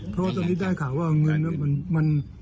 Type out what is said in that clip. เพราะว่าตอนนี้ได้ข่าวว่าเงินมัน